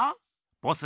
ボス